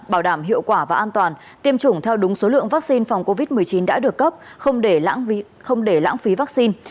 bảo đảm hiệu quả và an toàn tiêm chủng theo đúng số lượng vaccine phòng covid một mươi chín đã được cấp không để lãng phí vaccine